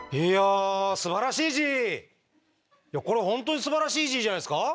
いやいやこれ本当に「すばらしいＧ！」じゃないですか？